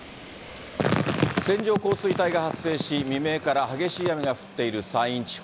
線状降水帯が発生し、未明から激しい雨が降っている山陰地方。